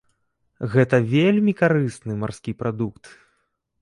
Гэта вельмі карысны марскі прадукт.